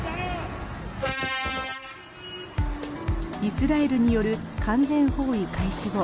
イスラエルによる完全包囲開始後